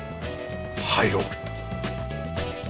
入ろう